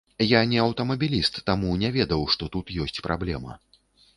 Я не аўтамабіліст, таму не ведаў, што тут ёсць праблема.